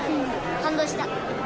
感動した。